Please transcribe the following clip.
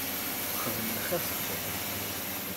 Xdem lxir tettuḍ-t.